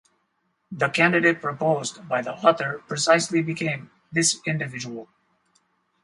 The candidate proposed by the author precisely became this individual.